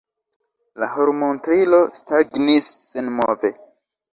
La hormontrilo stagnis senmove.